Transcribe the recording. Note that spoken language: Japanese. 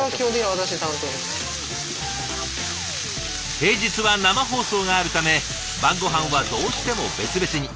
平日は生放送があるため晩ごはんはどうしても別々に。